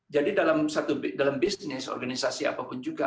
jadi dalam bisnis organisasi apapun juga